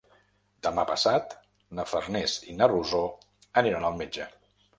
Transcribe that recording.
Demà passat na Farners i na Rosó aniran al metge.